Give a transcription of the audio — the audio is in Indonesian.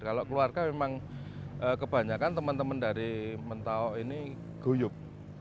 kalau keluarga memang kebanyakan teman teman dari mentau ini guyup